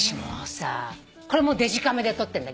これもデジカメで撮ってんだけど。